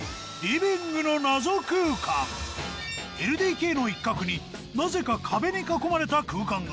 ＬＤＫの一角になぜか壁に囲まれた空間が。